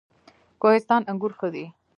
کوهستان انګور ښه دي؟